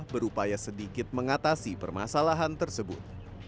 berupaya sedikit mengatasi permasalahan tersebut